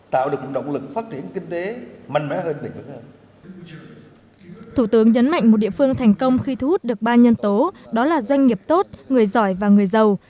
thủ tướng nhấn mạnh một địa phương thành công khi thu hút được ba nhân tố đó là doanh nghiệp tốt người giỏi và người giàu